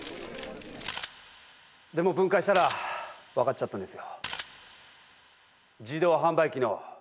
でも分解したら分かっちゃったんですよ。